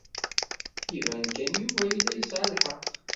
Iban kan Yuba yella yesɛa lḥeqq.